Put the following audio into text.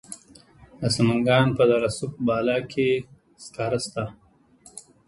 د سمنګان په دره صوف بالا کې سکاره شته.